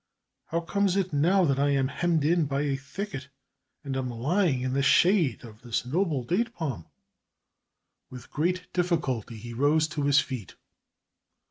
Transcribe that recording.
How comes it now that I am hemmed in by a thicket and am lying in the shade of this noble date palm?" With great difficulty he rose to his feet.